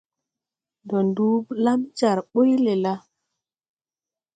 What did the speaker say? Ndɔ nduu blam jar ɓuy le la ?